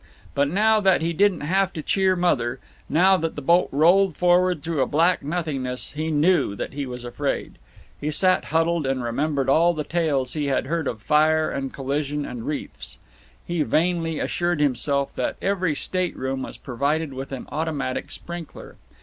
But now that he didn't have to cheer Mother, now that the boat rolled forward through a black nothingness, he knew that he was afraid. He sat huddled, and remembered all the tales he had heard of fire and collision and reefs. He vainly assured himself that every state room was provided with an automatic sprinkler.